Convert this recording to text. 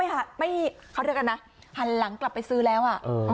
เหลือกันนะหันหลังกลับไปซื้อแล้ว